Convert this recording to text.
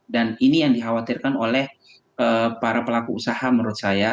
dan ini yang dikhawatirkan oleh para pelaku usaha menurut saya